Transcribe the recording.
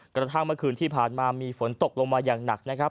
กระทั่งเมื่อคืนที่ผ่านมามีฝนตกลงมาอย่างหนักนะครับ